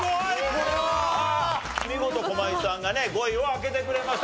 見事駒井さんがね５位を開けてくれました。